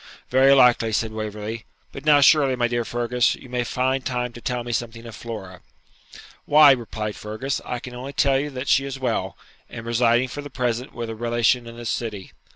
'Very likely,' said Waverley; 'but now surely, my dear Fergus, you may find time to tell me something of Flora.' 'Why,' replied Fergus, 'I can only tell you that she is well, and residing for the present with a relation in this city.